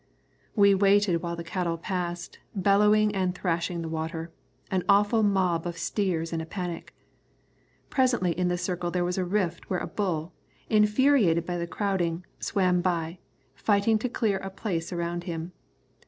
We waited while the cattle passed, bellowing and thrashing the water, an awful mob of steers in panic. Presently in this circle there was a rift where a bull, infuriated by the crowding, swam by, fighting to clear a place around him.